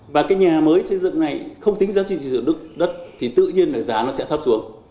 và cái nhà mới xây dựng này không tính giá trị sử dụng đất thì tự nhiên là giá nó sẽ thấp xuống